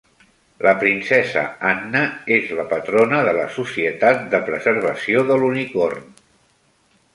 La princesa Anna és la patrona de la Societat de Preservació de l'Unicorn.